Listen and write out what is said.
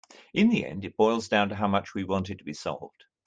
In the end it boils down to how much we want it to be solved.